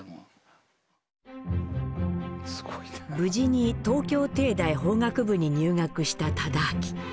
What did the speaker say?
無事に東京帝大法学部に入学した忠亮。